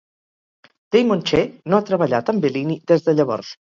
Damon Che no ha treballat amb Bellini des de llavors.